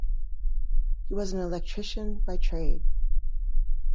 He was an electrician by trade.